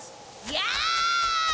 やあ！